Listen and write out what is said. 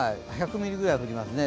１２０ミリくらい降りますね。